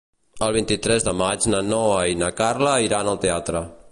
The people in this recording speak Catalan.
El vint-i-tres de maig na Noa i na Carla iran al teatre.